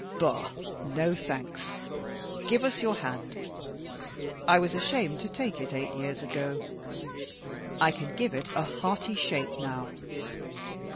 Bah! no thanks. Give us your hand. I was ashamed to take it eight years ago I can give it a hearty shake now!